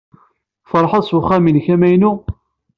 Tfeṛhed s uxxam-nnek amaynu?